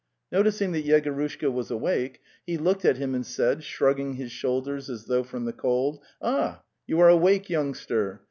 Noticing that Yegorushka was awake, he looked at him and said, shrugging his shoulders as though from the cold: '"Ah, you are awake, youngster!